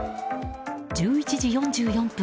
１１時４４分